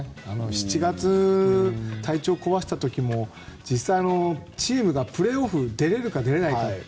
７月、体調壊した時も実際、チームがプレーオフ出てるか出れないか。